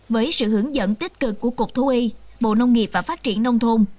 với sự hướng dẫn tích cực của cục thú y bộ nông nghiệp và phát triển nông thôn